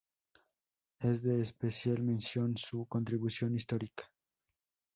Es de especial mención su contribución histórica.